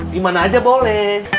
gimana aja boleh